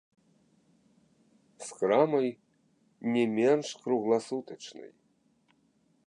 З крамай, не менш кругласутачнай.